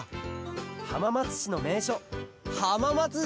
はままつしのめいしょはままつじょうです！